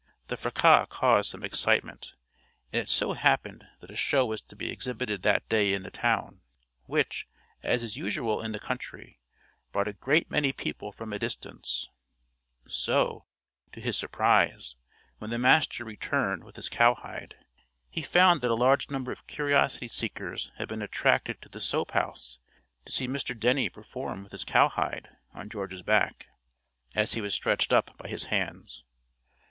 The fracas caused some excitement, and it so happened that a show was to be exhibited that day in the town, which, as is usual in the country, brought a great many people from a distance; so, to his surprise, when the master returned with his cowhide, he found that a large number of curiosity seekers had been attracted to the soap house to see Mr. Denny perform with his cowhide on George's back, as he was stretched up by his hands.